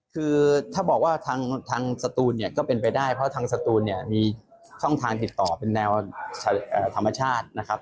คือถ้าบอกว่าทางสตูนเนี่ยก็เป็นไปได้เพราะทางสตูนเนี่ยมีช่องทางติดต่อเป็นแนวธรรมชาตินะครับ